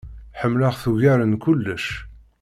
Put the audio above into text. Ḥemleɣ-t ugar n kullec.